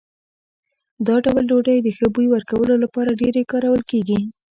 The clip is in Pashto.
دا ډول ډوډۍ د ښه بوی ورکولو لپاره ډېرې کارول کېږي.